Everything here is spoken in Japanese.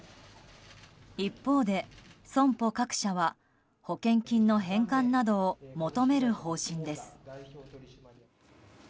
一方で損保各社は保険金の返還などを求める方針です。